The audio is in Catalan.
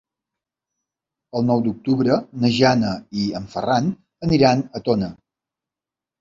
El nou d'octubre na Jana i en Ferran aniran a Tona.